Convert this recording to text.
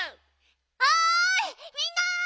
おいみんな！